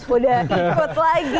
udah input lagi